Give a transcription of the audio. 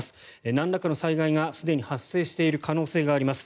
なんらかの災害がすでに発生している可能性があります。